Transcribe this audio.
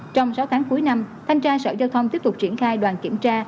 trong sáu tháng cuối năm thanh tra sở giao thông tiếp tục triển khai đoàn kiểm tra